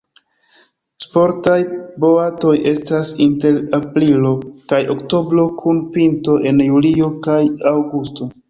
Sportaj boatoj estas inter aprilo kaj oktobro kun pinto en julio kaj aŭgusto.